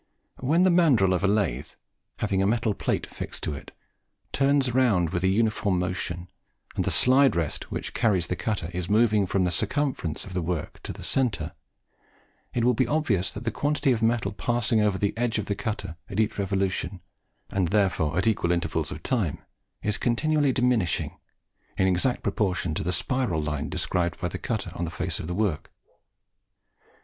When the mandrill of a lathe, having a metal plate fixed to it, turns round with a uniform motion, and the slide rest which carries the cutter is moving from the circumference of the work to the centre, it will be obvious that the quantity of metal passing over the edge of the cutter at each revolution, and therefore at equal intervals of time, is continually diminishing, in exact proportion to the spiral line described by the cutter on the face of the work.